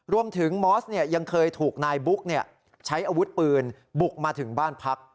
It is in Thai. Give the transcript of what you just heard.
รวมถึงมอสเนี่ยยังเคยถูกนายบุ๊คเนี่ยใส่อาวุธปืนบุกมาถึงบ้านพัก